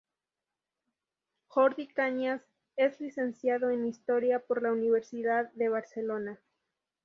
Jordi Cañas es licenciado en Historia por la Universidad de Barcelona.